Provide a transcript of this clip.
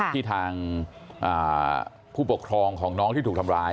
ที่ทางผู้ปกครองของน้องที่ถูกทำร้าย